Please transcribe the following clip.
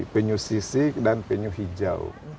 penyu sisik dan penyu hijau